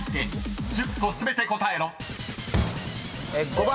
５番。